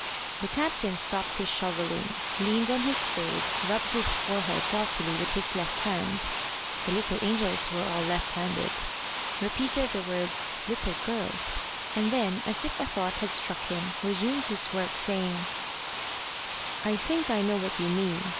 The captain stopped his shovelling, leaned on his spade, rubbed his forehead thoughtfully with his left hand the little angels were all left handed repeated the words "little girls," and then, as if a thought had struck him, resumed his work, saying "I think I know what you mean.